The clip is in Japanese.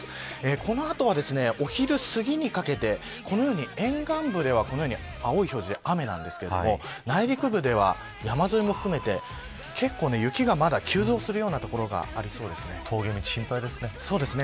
この後はお昼すぎにかけてこのように沿岸部では青い表示で雨ですが内陸部では、山沿いも含めて結構、雪が急増するような所が峠道が心配ですね。